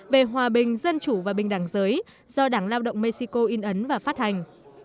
về hòa bình dân chủ và bình đẳng giới do đảng lao động mexico in ấn và phát hành